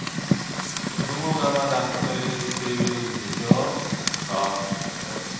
子供がまだ食べてるでしょうが。